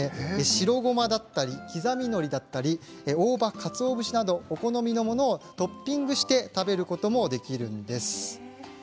白ごま、刻みのり、大葉、かつお節などお好みのものをトッピングして食べることもできるんです。